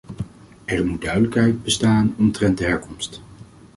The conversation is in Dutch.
Er moet duidelijkheid bestaan omtrent de herkomst.